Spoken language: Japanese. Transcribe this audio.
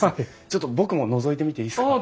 ちょっと僕ものぞいてみていいですか？